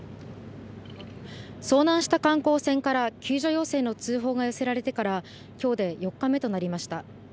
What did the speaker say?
遭難した観光船から救助要請の通報が寄せられてからきょうで４日目となりました。